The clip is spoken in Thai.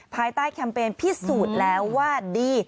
ภายใต้แคมเปญพิสูจน์แล้วว่าดี